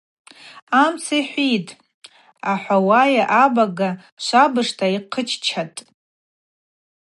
Амц ухӏвитӏ, – ахӏвауа абага швабыжта йхъыччатӏ.